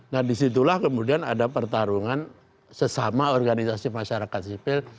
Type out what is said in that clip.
nah disitulah kemudian ada pertarungan sesama organisasi masyarakat sipil